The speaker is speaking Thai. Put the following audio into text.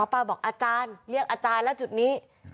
ป้าบอกอาจารย์เรียกอาจารย์แล้วจุดนี้